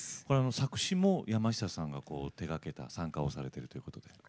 これ作詞も山下さんが手がけた参加をされてるということで。